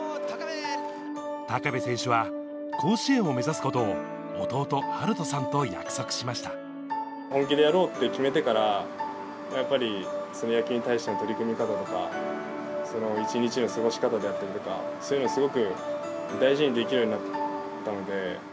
高部選手は、甲子園を目指すことを弟、本気でやろうって決めてから、やっぱり野球に対しての取り組み方とか、１日の過ごし方であったりとか、そういうのすごく大事にできるようになったので。